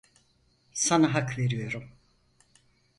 Sana hak veriyorum.